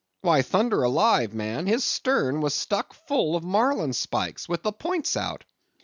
—why thunder alive, man, his stern was stuck full of marlinspikes, with the points out.